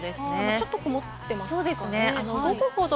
ちょっと曇ってますかね。